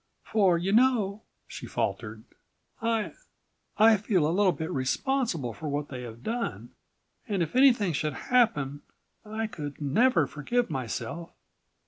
For you know," she faltered, "I—I feel a little bit responsible for what they have done and if anything should happen I could never forgive myself.